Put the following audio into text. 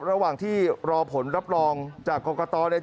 ระหว่างที่รองร็อผลรับรองจากกรกฎ